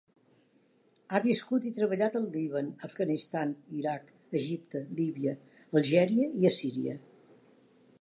Ha viscut i treballat al Líban, Afganistan, Iraq, Egipte, Líbia, Algèria i Síria.